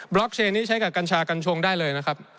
ล็อกเชนนี้ใช้กับกัญชากัญชงได้เลยนะครับ